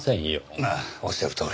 ああおっしゃるとおり。